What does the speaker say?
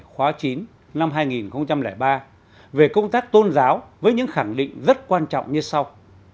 khóa chín năm hai nghìn ba về công tác tôn giáo với những khẳng định rất quan trọng như sau